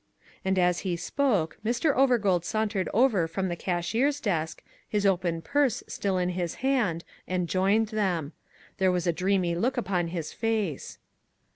And as he spoke Mr. Overgold sauntered over from the cashier's desk, his open purse still in his hand, and joined them. There was a dreamy look upon his face.